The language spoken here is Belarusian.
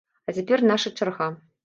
А цяпер наша чарга.